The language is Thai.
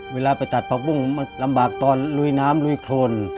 เวลาไปตัดผักบุ้งมันลำบากตอนลุยน้ำลุยโครน